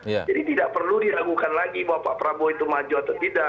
jadi tidak perlu diragukan lagi bahwa pak prabowo itu maju atau tidak